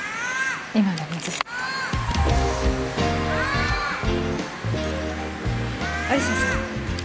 今でもずっと亜理紗さん